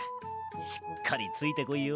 しっかりついてこいよ！